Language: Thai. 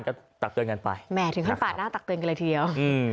ก็ตักเตือนกันไปแหมถึงขั้นปาดหน้าตักเตือนกันเลยทีเดียวอืม